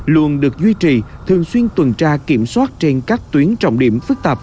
luôn được duy trì thường xuyên tuần tra kiểm soát trên các tuyến trọng điểm phức tạp